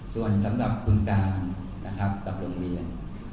ส่วนสำหรับคุณการนะครับกับโรงเรียน